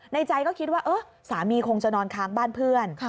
ใจก็คิดว่าสามีคงจะนอนค้างบ้านเพื่อน